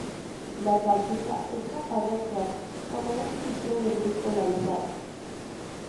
La calcita es capaz de actuar como un filtro de luz polarizadas.